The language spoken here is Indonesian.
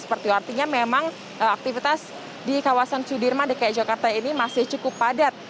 seperti artinya memang aktivitas di kawasan sudirman dki jakarta ini masih cukup padat